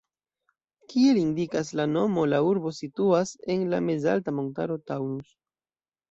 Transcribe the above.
Kiel indikas la nomo, la urbo situas en la mezalta montaro Taunus.